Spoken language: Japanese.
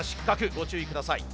ご注意ください。